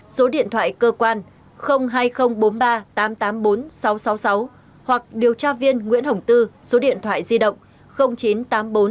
số điện thoại cơ quan hai nghìn bốn mươi ba tám trăm tám mươi bốn sáu trăm sáu mươi sáu hoặc điều tra viên nguyễn hồng tư số điện thoại di động chín trăm tám mươi bốn năm trăm bảy mươi hai hai trăm sáu mươi chín để được hướng dẫn giải quyết theo quy định